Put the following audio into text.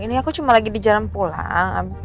ini aku cuma lagi di jalan pulang